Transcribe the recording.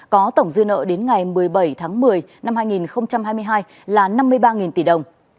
có tổng dư nợ đến ngày một mươi bảy tháng một mươi năm hai nghìn hai mươi hai là năm mươi ba tỷ đồng